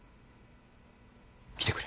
来てくれ。